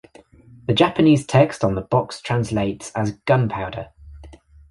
The Japanese text on the box translates as "gunpowder".